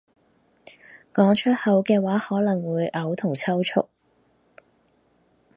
講出口嘅話可能會嘔同抽搐